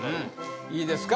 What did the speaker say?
いいですか？